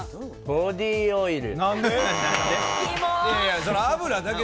ボディオイル。